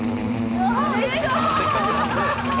あ！！